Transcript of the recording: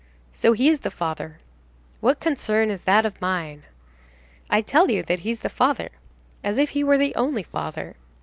"So he is the father." "What concern is that of mine?" "I tell you that he's the father." "As if he were the only father."